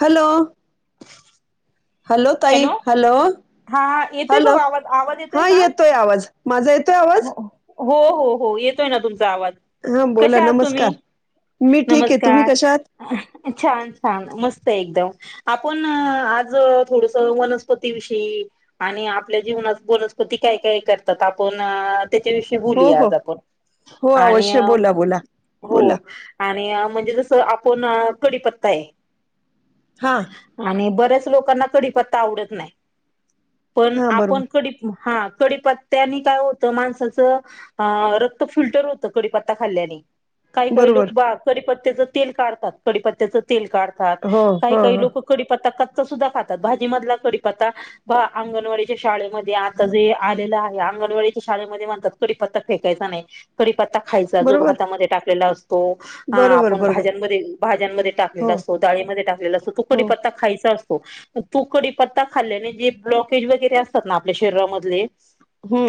Hello hello ताई hello. हा येतोय का हॅलो. आवाज आवाज हा का? येतोय आवाज. माझा येतोय आवाज? हो हो हो हो येतोय ना तुमच. हा कश बोला आहात तुम्ही? नमस्कार मी ठीक आहे तुम्ही नमस्कार! कशा आहात छान छान मस्त आहे एकदम, आपण आज थोड वनस्पती विषयी आणि आपल्या जीवनात वनस्पती काय काय करतात आपण त्याच्याविषय बली हो हो आज आपण, हो आणि अवश्य बोला बोला बोला म्हणजे कस आपण कढीपत्ता आहे हा आणि ब लोकांना कपत्ता आवडत नाही पण हा आपण बरोबर क हा. कढीपत्त्याने काय होतं माणसाचं रक्त फिल्टर होतं कडीपत्ता खाल्ल्याने. काही काही लोक बरोबर बा कीपत्त्याचं तेल काढतात कीपत्त्याचं ते काढतात हो काही हो काही हो लोक कडी पत्ता कच्चा सुद्धा खातात. मजला कढीपत्ता अंगणवाडीच्या शाळेमध्ये आता जे आलेलं आहे अंगणवाडीच्या शाळेमध्ये म्हणतात कढीपत्ता फेकायचा नाही कढीपत्ता खायचा जो बरोबर भातामध्ये टाकलेला असत त हा बरोबर आपण बरोबर भाज्यांमध्ये भाज्यांमध्ये हो टाकलेला असतो डाळीमध्ये टाकलेला, असतो हो तुकडीपत्ता खायचा असतो. तू कढीपत्ता खाल्ल्याने जे ब्लॉकेज वगैरे असतात ना आपल्या शरीरामध्ये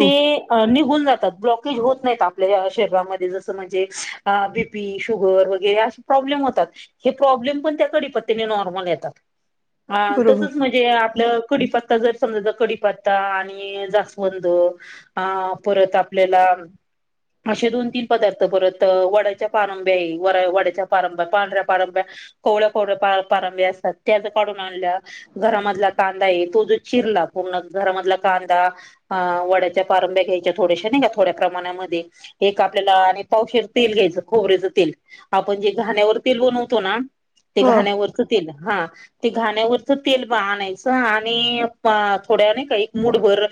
ते निघून ब्लॉकेज होत नाहीत आपल्या शरीरामध्ये असं म्हणजे बीपी शुगर वगैरे प्रॉब्लेम होतात हे प्रॉब्लेम पण त्या कढीपत्त्याने नॉर्मल येतात. हा बरोबर तसच म्हणजे आप कढीपत्ता जर समजा कढीपत्ता आणि जांस्वंद परत आप ला. असे दोन तीन पदार्थ परत वड्याच्या पारंब्या व वड्याच्या पारभ्या पांढऱ्या पारंब्या कोळ कोळ परंब्या सतात कढून आणल्या घरामधला कांदा ये तो जो चिरला पूर्ण घरामधला कांदा वड्याच्या प घ्यायच्या थोड्याश नाही का थोड्या प्रमाणामध्ये एक आपल्याला आणि पावश तेल घ्यायचं खोबरेचं तेल. आपण जे घाण्यावर तेल बनवतो ना ते हा घाण्यावरच तेल हा ते घाण्यावर तेल ब आणायच आणि थोड्या नाही का मभर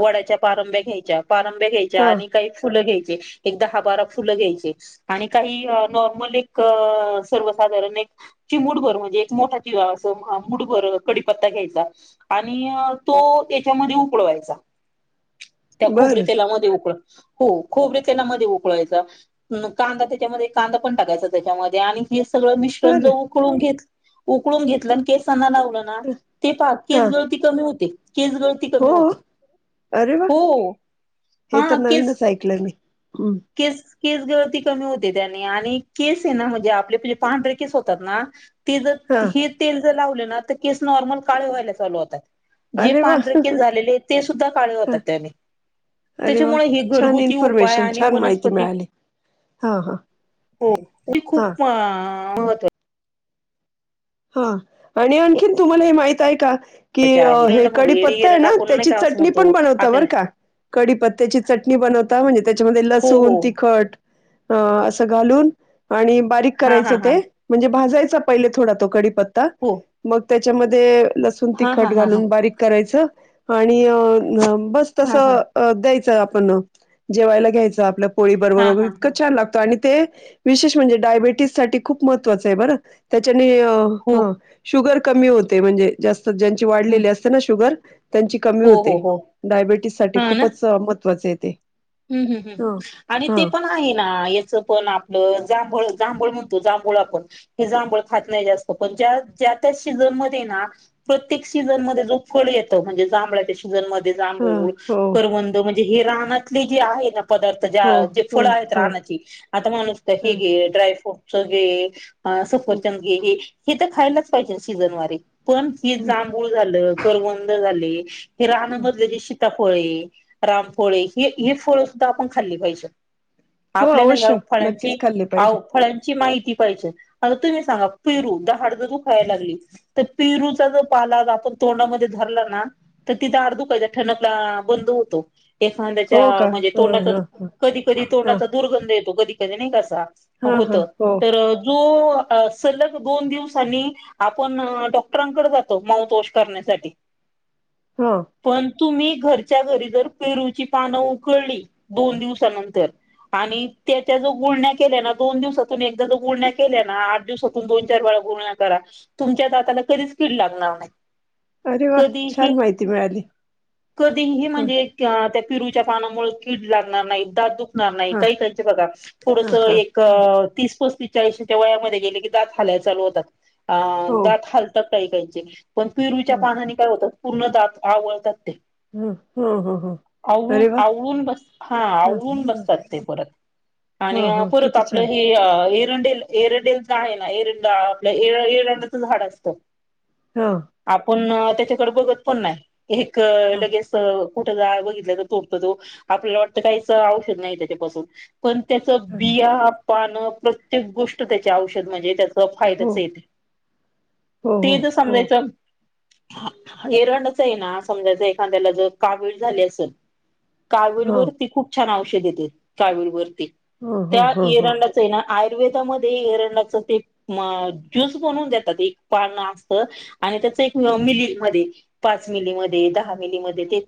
वडाच्या पारंब्या घ्यायच्या पारंब्या घ्यायच्या हा आणि काही फुलं घ्याय दहा-बारा फुल घ्यायची आणि काही नॉर्मल एक सर्वसाधारण चिमूडभर म्हणजे एक मोठा चि अस मुठभर कडीपत्ता घ्यायचा आणि तो त्याच्यामध्ये उकडवायचा. त्या खोबरेल बरं तेलामध्ये उकळ हो खोबरे त्यांना मध्ये उकळायचं कांदा त्याच्यामध्ये कांदा पण टाकायचा त्याच्यामध्ये आणि हे सगळं मिश्रण ज बरं उकळून घेत उकळून घेतलं आणि केसांना तेकीच हा गळती कमी होते. केस गळती हो कमी होते अरे वा हो. हे हा तर केस नवीनच ऐकलंय मी हम्म. केस केस गळती कमी होते त्याने आणि केस आहे ना म्हणजे आपलेणजे पांढरे केस होतात ना ते जर हा हे तेल जर लावले ना तर केस नॉर्मल काळे व्हायला चालू होतात. जे अरे वा पांढरे केस झालेले ते सुद्धा काळे होतात हा त्याने. अरे वा त्याच्यामुळे हे छान घरगुती उपाय इन्फॉर्मेशन आणि छान माहिती वनस्पती मिळाली. हां हां हो मी हां खूप अ मत हा आणि आणखीन तुम्हाला हे माहित आहे का? कि आहे हे कडीपत्ता आहे एरंड ना आपण नाही त्याची का असं चटणी पण म्हणतो बनवत बर आपल्याला का. कढीपत्त्याची चटणी बनवता म्हणजे त्याच्यामध्ये हो हो लसूण, तिखट अ अस घालून आणि बारीक हा करायच हा हा ते म्हणजे भाजायच पहिले थोडा तो कडी पत्ता हो मग त्याच्यामध्ये लसण, हा हा तिखट हा हा घालून बारीक करायचं. आणि बस हा हा तसं द्यायचं आपण जेवायला घ्यायचं आपल्या पोळी हा बरोबर वर हा हा इकं छान लागतो. ते विशेष म्हणजे डायबट खूप प मह त्वा च बर त्याच्या ने हो ह शुगर कमी होते म्हणजे जास्त ज्यांची वाढलेली असते ना शुगर त्यांची कमी हो हो होते हो डायबेटीस साठी हा ना खूपच महत्त्वाचे आहेत हम्म हम् ह आणि ते पण आहे ना याच पण आपलं ज जांभळ म्हणतो जांभूळ आपण हे जांभळ खात नाही जास्त पण ज्या ज्या त्या शिजनमध्येध्ये ना प्रत्येक सीझनमध्येध्ये जो फळ येतं म्हणजे जांभळा्याच्या सीझनमध्ये हा जांभळ हो करव म्हणजे हे रानाले जे आहे पदार्थ ज्या हो जे फळ हो आहेत हो राहण्याची आता माणूसत हे गे ड्राय फ्रूटस वगे सफरचंदगे हे हे तर खायलाच पाहिजे सीजन वारे पण ज जांभूळ झालं वंद झाले हे राणामधले जे सीतापोळे रामपोळे हे ह फळं सुद्धा आपण खाल्ली पाहिजे हो आपल्याला ह्या अवश्य फळांची नक्कीच खाल्ले पाहिजे आव फळांची दु तोड धर तिथ ठ ब होतो ए हो त्या का म्हणजे ह तोंडाचा ह कधी कधी ह तोंडाचा दुर्गंध येतो कधी कधी नाही कसा ह ह होत ह हो तर जो सलग दोन दिवसांनी आपण डॉक्टरांकडे जातो माऊथवॉश करण्यासाठी हा पण तुम्ही घरच्या घरी जर पेरूची पानं उकळली दोन दिवसानंतर आणि त्याच्या जो गुळण्या्या केल्या ना दोन दिवसातून एकदा जो गुळण्या्या केल्या ना आठ दिवसातून दोन चार वेळा करा तुमच्या आ कधीच कीड लागणार नाही अरे वा कधीही छान माहिती मिळाली कधीही ह म्हणजे त्या पिरूच्या पानामुळे कीड लागणार नाही दाु नाही ह का त्यां बघा थोड ह ह ह तीस पस्ती चाळीशीेच्या वयामध्ये गेले की दात हालाय चालू होतात अ हो दात हालतात काही कायचे पण पिरवीच्या हो पानाने काय होतात पूर्ण दात आवळतात ते हम् हम हम हम आवळून आवळून बस हा आवडून ह बसतात ते परत आणि ह ह पुरत किती आपलं छान ह एरंडेल एरंडेलचा आहे ना एरंडा आपल्या एरंडाचं झाड असतं ह आपण त्याच्याकडे बघत पण नाही एक ह कुठ बघित तर तोडत तो आपल्याला वाटत काहीच औषध नाही त्याच्यापासून पण त्याचं ह बिया पान प्रत्येक गोष्ट त्याचे औषध म्हणजे त्याच हो फायद्याच येते हो हो ते तर हो समजायचं हेरणच आहे ना समजायच एखाद्याला जर कावीळ झाली अस ह कावीळ ह वरती खूप छान औषध येते कावीळ वरती ह त्या ह ह येरांडाच आहे ना आयुर्वेदामध्ये एरंच ते ज्यूस बनवून देतात एक पान असत आणि त्या मिली म पाच मिलीमध्ये दहा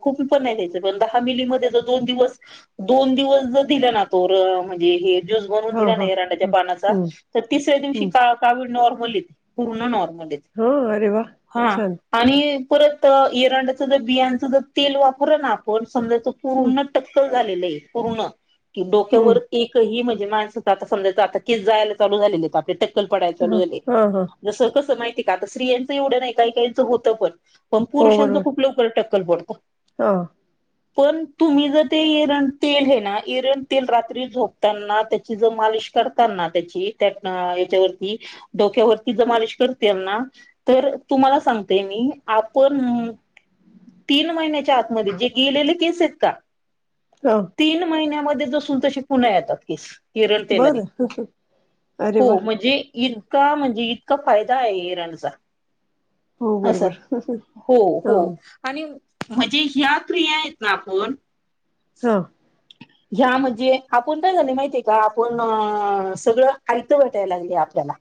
खूप पण पण दहा मिली दोन दिवस दोन दिवस दिला नाो म्हणजे हे ज्यूस बनवून ह ह दिला नाही ह इरांड्याच्या पानाचा हम्म तर तिसऱ्या दिवशी हम्म का कावीळ नॉर्मल पूर्ण नॉर्मल हा अरे वा हा छान आणि परत येरंड्याच जर बियांच जर तेल वापर ना आपण समजाच हम्म पूर्ण टक्कल पूर्ण क डोक्यावर हम्म एक माण समच केस जायलालू झा आप टक्कल पडय चालू हा झाले हा हा जस कसं मा का आता स्त्रयांचं एवढं नाही काही काहीचं होतं पण पण हो पुरुषांचं बरोबर खुप लवकर टक्कल पडतं हा पण तुम्ही जर ते एरण तेल हे ना एरण तेल रात्री झोपताना त्याची ज माल त्याच्यावर डोक्यावरती ज कर तर तुम्हाला सांगतेय मी आपण तीन महिन्याच्या आतमध्ये जे गेलेले केस आहेत का हा तीन महिन्यामध्ये तसे पुन्हा येतात की केरळ तेलाने बरं अरे वा हो म्हणजे इतका म्हणजे इ का फायदा आहे इरणचा हो असा बरोबर हो ह हो आणि म्हणजे ह्यात्रि आहेत ना आपण हा ह्या म्हणजे आपण काय झाले माहितीय का आपण सगळं आयत भेटायला लागले आपल्याला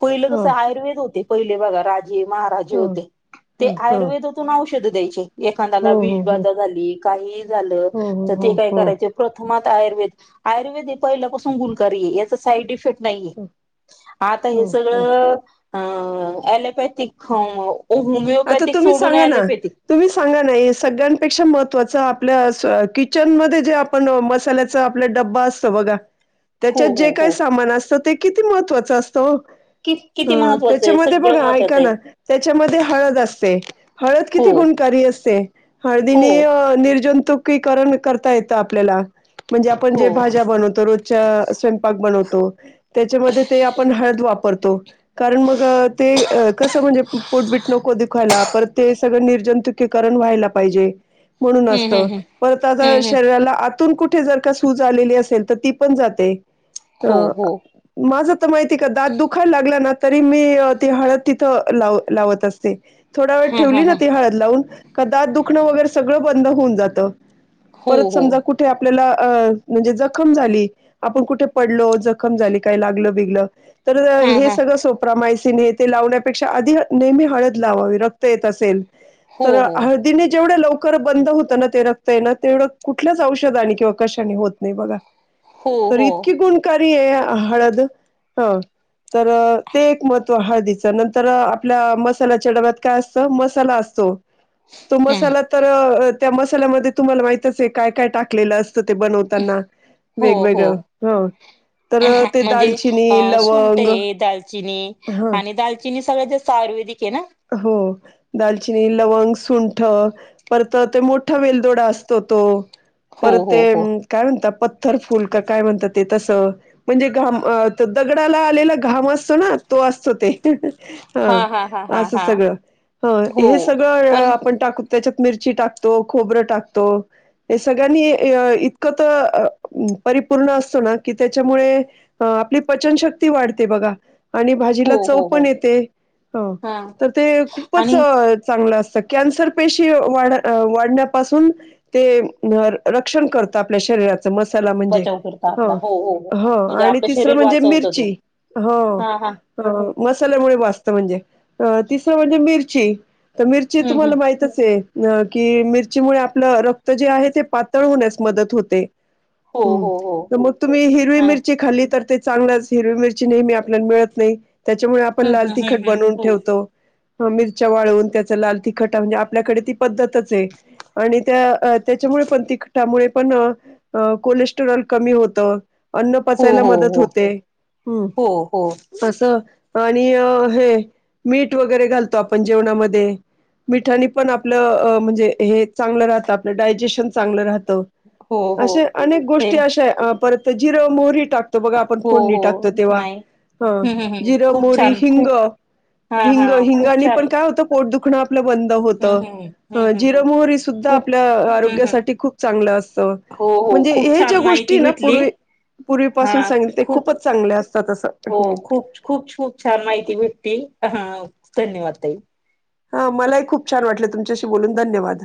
पहिलं ह कसं आयुर्वेद होते पहिले बघा राजे महाराजे ह होते हो ते हो आयुर्वेदातून आवष द्याय हो एखा्या विष हो हो बाधा झाली काही झा हो तर ते हो काय हो कराय प्रथम आयर् आयुर्वेद हे पहिपासून गुणकार या साईड इफेक्ट नाही हो आ हे हो हो सगळं अ लोपॅथिक आता तुम्ही सांगा ना तुम्ही सांगा ना हे सगळ्यांपेक्षा महत्वाच आपल्या किचन मध्ये जे आपण मसाल्याचा आपल्या डबबा असत बघा हो त्याच्यात जे हो काय हो सामान असतं ते किती महत्वाचं असतं कि किती ह महत्त्वाचं आहे त्याच्यामध्ये बघ सगळं ऐका महत्त्वाचं ना आहे त्याच्या हळद असते हळद किती हो गुणकारी असते हळ हो निर्ज तुकीीकरण करता येतं आपल्याला म्हणजे आपण जे हो भाज्या बनवतो रोजच्या स्वयंपाक बनवतो त्या आप ह वापतो कार म म्हणज नको दुखायला पर ते सगळं निर्जंतुकीकरण व्हायला पाहिजे म्हणून हम्म असत हम्म हम्म परत आता हम्म हम्म शरीराला आ कुठे का असे तर ती पण जाते हो हो मा माहिती आहे का दात दुखाला लागला ना तरी मी ती हळद तिथं लाव लावत असते थोडा वेळ हा हा ठेवली ना हा ती हळद लावून का दात दुखणं वगैरे सगळं बंद होऊन जातं हो परत हो समजा कुठे आपल्याला अ म्हणजे जखम झाली आपण कुठे पडलो जखम झाली काही लागलं बिगल तर हा हे हा सगळं सोप्रा मायसिन ते लावण्यापेक्षा आधी नेहमी हळत रत असे हो हो ह जेव ल ल बंद होत ना ते रक्त ये ना तेवढं कुठल्याच औषधा आणि किंवा कशाने होत नाही बघा हो तर हो इतकी गुणकारी आहे हळद हा तर ते एक महत्व ह दिच नंतर आपल्या मस् मच्या डब्यात काय असत मला असतो तो हा मसाला तर त्या मसाल्यामध्ये तुम्हाला माहितच आहे काय काय टाकलेलं अस ते बनवताना हो हो वेगवेगळ ह तर आहा, ते दालचिनी लवंग चिनी ह आणि दालचिनी सगळ जास्त आयुर्वेदिक आहे ना हो दालचिनी लवंग सुं परत ते मोठा वेलदोडा असतो तो हो पर हो ते हो काय म्हणतात पथथर फुल का काय म्हणतात ते तस म्हणजे घाम दगडाला आलेला घाम असतो ना तो असतो ते हा हा हा असं हा सगळं ह हो हे सगळं पण आपण टाकू त्याच्यात मिरची टाकतो खोबरं टाकतो हे सगळ्यांनी इतकं तर परिपूर्ण असतो ना की त्याच्यामुळे आपली पचनशक्ती वाढते बघा आणि हो भाजीला चव हो हो पण येते ह हा तर ते खूपच आणि चांगलं अस कॅन्सर पेशी वाढण्यापासून ते रक्षण करत आपल्या शरीरात मसाला म्हणजे बचाव करता ह आपला हो हो हो ह म्हणजे आणि आपलं तिसरं शरीर म्हणजे वाचवत तो मिरची ह हा हा अ मसाल्यामुळे वाजत म्हणजे अ तिसरं म्हणजे मिरची तर मिरची हम्म तुम्हाला हम्म माहित असे अ कि मिरचीमुळे आपलं रक्त जे आहे ते पातळ होण्यास मदत होते हो हो हो ह् मग तुम्ही हिरवी आणि मिरची खाल्ली तर चांगलाच हिरवी मिरची नेहमी आपल्याला मिळत नाही त्याच्यामुळे आपण हम्म लाल हम्म तिखट हम्म हम्म बनवून हो ठेवतो मिरच्या वाळवून त्याचा लाल तिखटा म्हणजे आपल्याकडे ती पद्धतच आणि त्या त्याच्यामुळे पामुळे पण कोलेस्टरॉल कमी होत अन्न हो पचायला हो मदत हो होते हम् हो हो आणि हे मीठ वगैरे घालतो आपण जेवणामध्ये मिठाणी पण आपलं म्हणजे हे चांगलं राहतं आपलं डायजेशन चांगलं राहत हो हो अे अनेक ते गोष्टी अशा परत जिरो मोहरी टाकतो बघा आपण हो फोडणी हो टाकतो तेव्हा नाही हम्म हम्म हम्म जिर खूप मोरी छान हिंग खूप हा हा हिंग खूप हिंगानी छान पण काय होत पोट दुखण आपलं बंद होत हम्म हम्म हम्म हम्म जिर हम्म मोहरी सुद्धा खूप आपल्या हम्म हम्म आरोग्यासाठी खूप चांगलं असतं हो हो म्हणजे खूप हे ज्या छान गोष्टी माहिती ना भेटली पूर्वी हा पूर्वीपासून सांगित ते खूप खूपच चांगले असतात असं हो खूप खूप खूप छान माहिती भेटते ह धन्यवाद तई हा मलाही खूप छान वाटले तुमच्याशी बोलून धन्यवाद